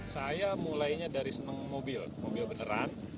saya mulainya dari senang mobil mobil beneran